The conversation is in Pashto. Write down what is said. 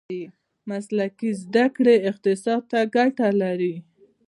مسلکي زده کړې اقتصاد ته ګټه لري.